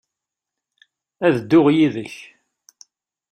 Ad dduɣ yid-k.